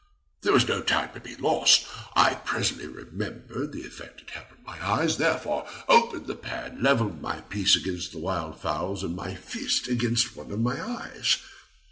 There was no time to be lost. I presently remembered the effect it had on my eyes, therefore opened the pan, levelled my piece against the wild fowls, and my fist against one of my eyes.